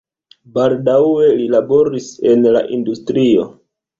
Baldaŭe li laboris en la industrio.